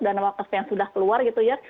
dan wakaf yang sudah keluar gitu ya